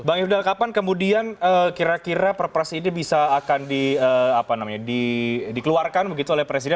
bang yudhal kapan kemudian kira kira perpres ini bisa dikeluarkan oleh presiden